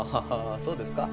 そうですか？